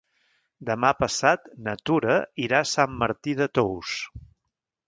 Demà passat na Tura irà a Sant Martí de Tous.